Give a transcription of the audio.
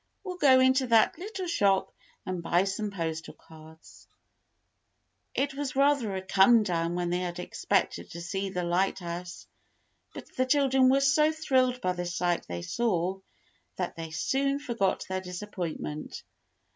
We'll go into that little shop and buy some postal cards." It was rather a come down when they had expected to see the lighthouse, but the children were so thrilled by the sight they saw that they soon forgot their disappointment.